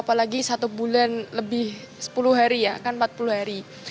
apalagi satu bulan lebih sepuluh hari ya kan empat puluh hari